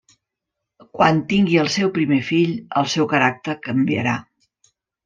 Quan tingui al seu primer fill, el seu caràcter canviarà.